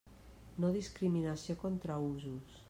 No discriminació contra usos.